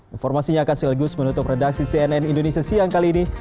informasinya akan selegus menutup redaksi cnn indonesia siang kali ini